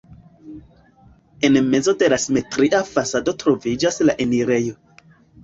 En mezo de la simetria fasado troviĝas la enirejo.